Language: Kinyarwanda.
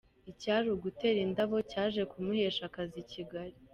Icyari ugutera indabo cyaje kumuhesha akazi i Kigali.